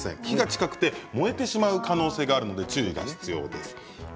火が近くて燃えてしまう可能性があるので注意が必要です。